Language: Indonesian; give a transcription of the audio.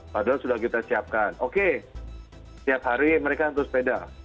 padahal sudah kita siapkan oke setiap hari mereka untuk sepeda